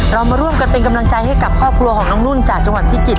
เรามาร่วมกันเป็นกำลังใจให้กับครอบครัวของน้องนุ่นจากจังหวัดพิจิตร